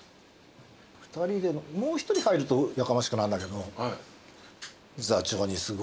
２人でもう１人入るとやかましくなるんだけど。